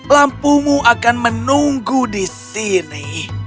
lampumu akan menunggu di sini